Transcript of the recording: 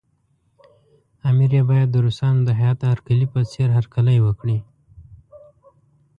امیر یې باید د روسانو د هیات هرکلي په څېر هرکلی وکړي.